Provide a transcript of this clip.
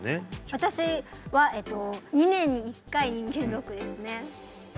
私は２年に１回人間ドックですね